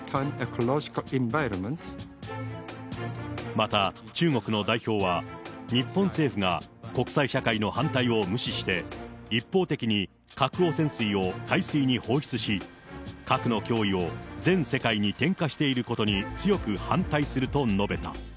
また、中国の代表は、日本政府が国際社会の反対を無視して、一方的に核汚染水を海水に放出し、核の脅威を全世界に転嫁していることに強く反対すると述べた。